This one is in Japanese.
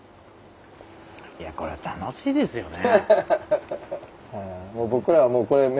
いやこれは楽しいですよね。